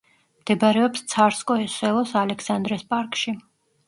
მდებარეობს ცარსკოე-სელოს ალექსანდრეს პარკში.